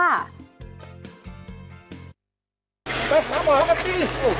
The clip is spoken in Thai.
ไปทางหมอก่อนสิ